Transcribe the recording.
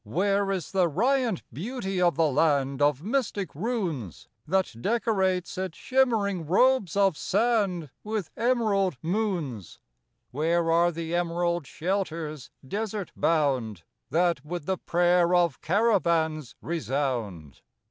Where is the riant beauty of the land Of mystic runes That decorates its shimmering robes of sand With emerald moons ? Where are the emerald shelters, desert bound, That with the prayer of caravans resound?